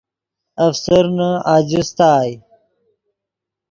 افسرنے اجستائے